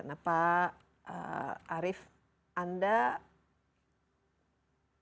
nah pak arief anda